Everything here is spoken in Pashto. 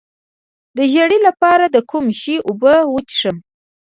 د ژیړي لپاره د کوم شي اوبه وڅښم؟